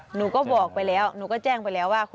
หนูก็บอกไปแล้วหนูก็แจ้งไปแล้วว่า